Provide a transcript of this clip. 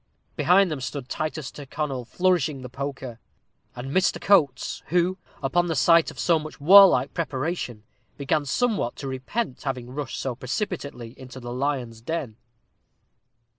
Behind them stood Titus Tyrconnel, flourishing the poker, and Mr. Coates, who, upon the sight of so much warlike preparation, began somewhat to repent having rushed so precipitately into the lion's den.